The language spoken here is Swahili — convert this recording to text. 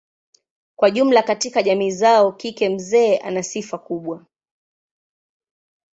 Kwa jumla katika jamii zao kike mzee ana nafasi kubwa.